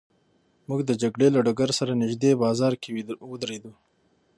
موږ د جګړې له ډګر سره نږدې بازار کې ودرېدو.